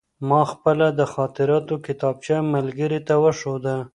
ما خپله د خاطراتو کتابچه ملګري ته وښوده.